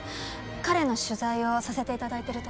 彼の取材をさせて頂いてるところです。